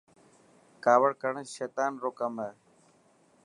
ڪاوڙ ڪرڻ سيطن رو ڪم هي.